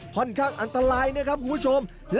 พลังคอกร